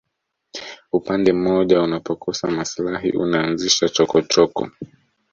upande mmoja unapokosa maslahi unaanzisha chokochoko